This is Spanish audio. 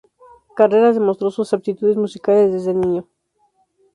Carreras demostró sus aptitudes musicales desde niño.